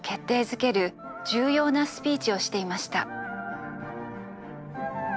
づける重要なスピーチをしていました。